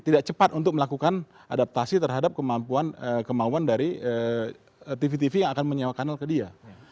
tidak cepat untuk melakukan adaptasi terhadap kemampuan dari tv tv yang akan menyewa kanal ke dia